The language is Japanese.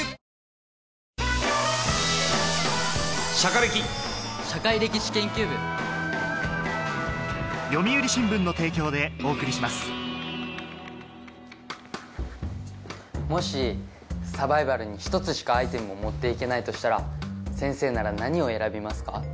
バレンタインレシピを大公開もしサバイバルに１つしかアイテムを持って行けないとしたら先生なら何を選びますか？